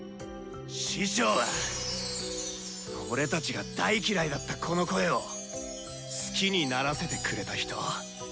師匠は俺たちが大嫌いだったこの声を好きにならせてくれた人。